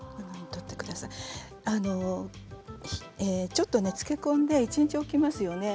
ちょっとつけ込んで一日置きますよね。